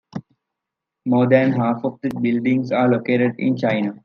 More than half of the buildings are located in China.